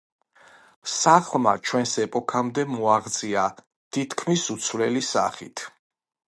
სახლმა ჩვენს ეპოქამდე მოაღწია თითქმის უცვლელი სახით.